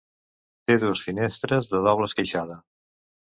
Té dues finestres de doble esqueixada.